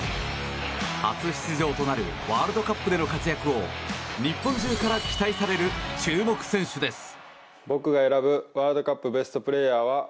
初出場となるワールドカップでの活躍を日本中から期待される注目選手です。